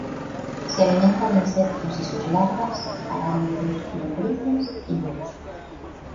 Se alimenta de insectos y sus larvas, arácnidos, lombrices y moluscos.